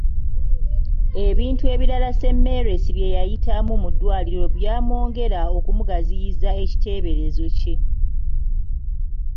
Ebintu ebirala Semmelwesi bye yayitamu mu ddwaliro byamwongera okumugaziyiriza ekiteeberezo kye.